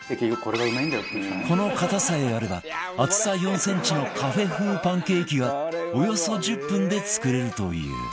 この型さえあれば厚さ４センチのカフェ風パンケーキがおよそ１０分で作れるという